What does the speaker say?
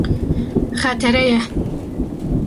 Xetere ye.